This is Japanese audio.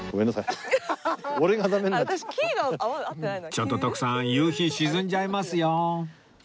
ちょっと徳さん夕日沈んじゃいますよ